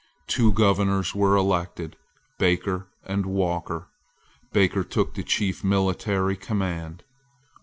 Two governors were elected, Baker and Walker. Baker took the chief military command.